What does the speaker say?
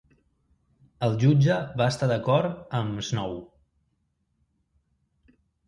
El jutge va estar d'acord amb Snow.